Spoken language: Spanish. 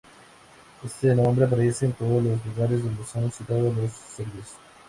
Este nombre aparece en todos los lugares donde son citados los serbios.